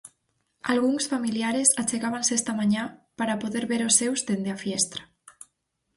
Algúns familiares achegábanse esta mañá para poder ver os seus dende a fiestra.